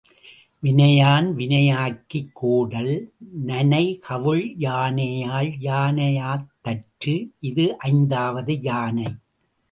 வினையான் வினையாக்கிக் கோடல் நனைகவுள் யானையால் யானையாத் தற்று. இது ஐந்தாவது யானை.